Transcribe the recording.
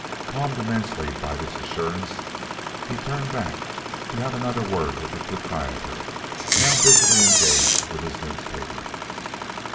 Calmed immensely by this assurance, he turned back to have another word with the proprietor, now busily engaged with his newspaper.